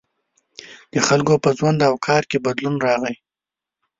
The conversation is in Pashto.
• د خلکو په ژوند او کار کې بدلون راغی.